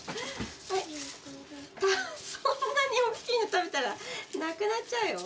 そんなに大きいの食べたらなくなっちゃうよ。